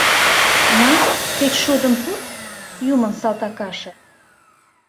— На, кечшудым пур, юмын салтакаше.